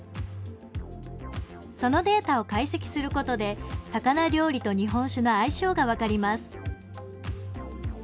そのデータを解析することで魚料理と日本酒の相性が分かります。